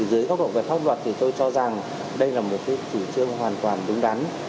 giới phép lái xe tôi cho rằng đây là một chủ trương hoàn toàn đúng đắn